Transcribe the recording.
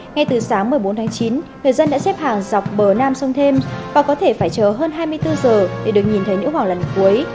ngay từ sáng một mươi bốn tháng chín người dân đã xếp hàng dọc bờ nam sông thêm và có thể phải chờ hơn hai mươi bốn giờ để được nhìn thấy nữ hoàng lần cuối